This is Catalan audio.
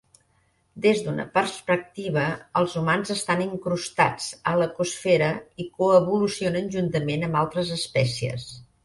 Des d'una perspectiva, els humans estan incrustats a l'ecosfera i coevolucionen juntament amb altres espècies.